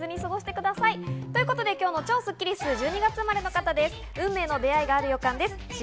今日の超スッキりす、１２月生まれの方です。